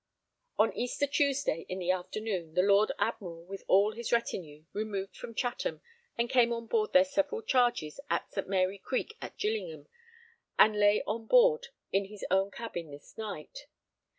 On Easter Tuesday in the afternoon the Lord Admiral with all his retinue removed from Chatham, and came on board their several charges at St. Mary Creek at Gillingham, and lay on board in his own cabin this night.